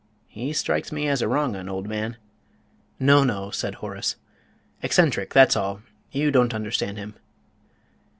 He strikes me as a wrong'un, old man." "No, no," said Horace; "eccentric, that's all you don't understand him."